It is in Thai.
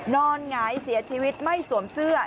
หงายเสียชีวิตไม่สวมเสื้อ